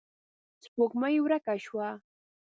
سپوږمۍ ورکه شوه.